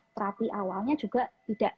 terapi awalnya juga tidak